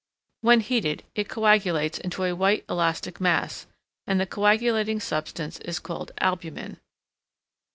When heated, it coagulates into a white elastic mass, and the coagulating substance is called albumen.